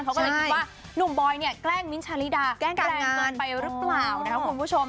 เขาก็เลยคิดว่าหนุ่มบอยเนี่ยแกล้งมิ้นท์ชาลิดาแกล้งแรงเกินไปหรือเปล่านะครับคุณผู้ชม